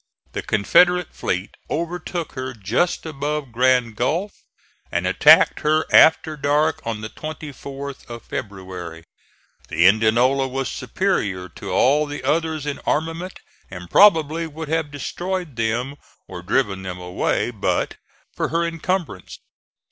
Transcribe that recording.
The Confederate fleet overtook her just above Grand Gulf, and attacked her after dark on the 24th of February. The Indianola was superior to all the others in armament, and probably would have destroyed them or driven them away, but for her encumbrance.